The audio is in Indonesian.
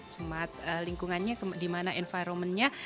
smart lingkungannya dimana environmentnya